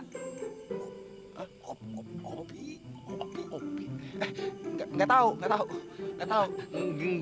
lo berdua liat opi apa enggak